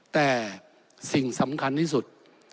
แต่สิ่งสำคัญที่สุด